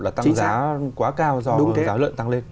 là tăng giá quá cao do giá lượng tăng lên